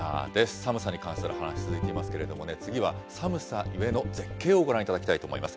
寒さに関する話続いていますけれども、次は寒さゆえの絶景をご覧いただきたいと思います。